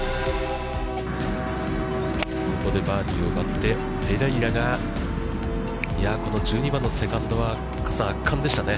ここでバーディーを奪って、ペレイラが、この１２番のセカンドは、加瀬さん、圧巻でしたね。